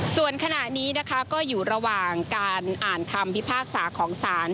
ส่วนขณะนี้นะคะก็อยู่ระหว่างการอ่านคำพิพากษาของศาล